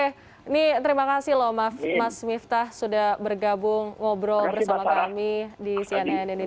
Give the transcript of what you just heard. ini terima kasih loh mas miftah sudah bergabung ngobrol bersama kami di cnn indonesia